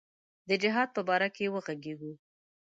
د جهاد په باره کې وږغیږو.